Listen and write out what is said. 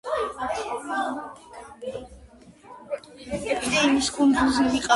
მისი ცენტრი კი იყო ტიგრანაკერტი.